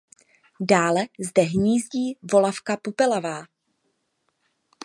Dále zde hnízdí volavka popelavá.